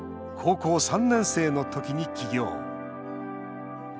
高校３年生のときに起業。